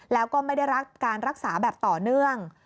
แล้วก็ไม่ได้รักษาแบบต่อเนื่อง